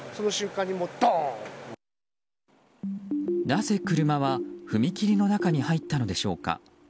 なぜ車は、踏切の中に入ったのでしょうか。